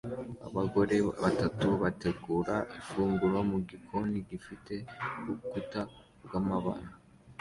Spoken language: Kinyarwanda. Abagore batatu bategura ifunguro mugikoni gifite urukuta rwamabara